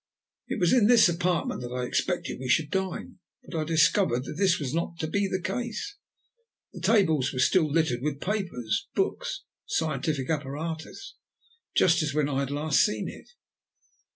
It was in this apartment that I had expected we should dine, but I discovered that this was not to be the case. The tables were still littered with papers, books, and scientific apparatus, just as when I had last seen it.